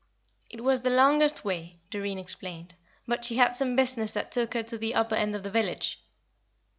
It was the longest way, Doreen explained, but she had some business that took her to the upper end of the village.